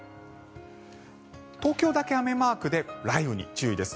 東京だけ雨マークで雷雨に注意です。